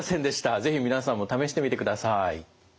是非皆さんも試してみてください。